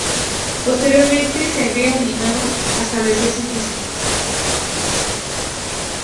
Posteriormente, se vio obligado a establecerse en Suiza.